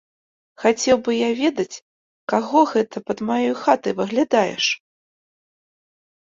Хацеў бы я ведаць, каго гэта пад маёй хатай выглядаеш?